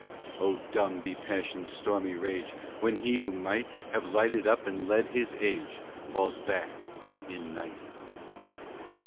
Oh, dumb be passion's stormy rage, When he who might Have lighted up and led his age, Falls back in night.